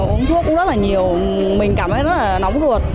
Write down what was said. uống thuốc cũng rất là nhiều mình cảm thấy rất là nóng ruột